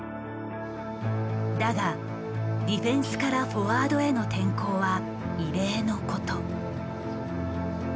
だがディフェンスからフォワードへの転向は異例のこと。